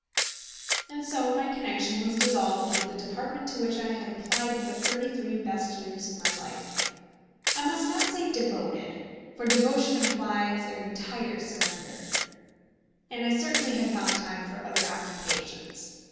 And so my connection was dissolved with the department to which I had applied the thirty three best years of my life; I must not say devoted, for devotion implies an entire surrender, and I certainly had found time for other occupations.